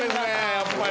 やっぱり。